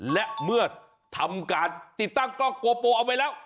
และเมื่อทำการติดตั้งกล้องโกโปเอาไว้แล้ว